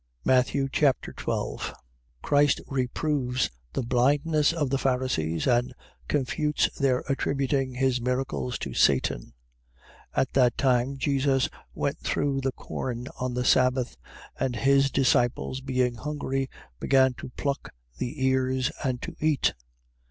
Matthew Chapter 12 Christ reproves the blindness of the Pharisees, and confutes their attributing his miracles to Satan. 12:1. At that time Jesus went through the corn on the sabbath: and his disciples being hungry, began to pluck the ears, and to eat.